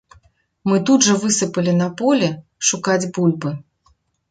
Мы тут жа высыпалі на поле шукаць бульбы.